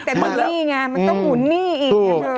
แต่มันมีหนี้ไงมันต้องหุ่นนี่อีก